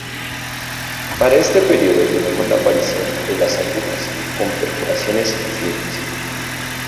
Para este periodo tenemos la aparición de las agujas, con perforaciones finas.